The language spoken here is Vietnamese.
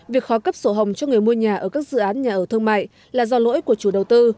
việc khó cấp sổ hồng cho người mua nhà ở các dự án nhà ở thương mại là do lỗi của chủ đầu tư